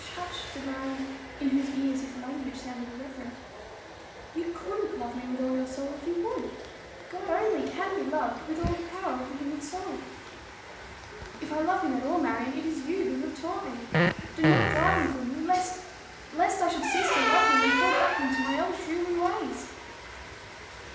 hush!" said Marion, in whose ears his language sounded irreverent. "You couldn't love me with all your soul if you would. God only can be loved with all the power of the human soul." "If I love him at all, Marion, it is you who have taught me. Do not drive me from you lest lest I should cease to love him, and fall back into my old dreary ways."